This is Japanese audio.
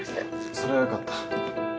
それはよかった。